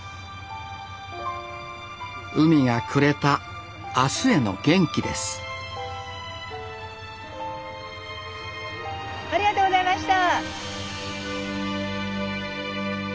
海がくれたあすへの元気ですありがとうございました。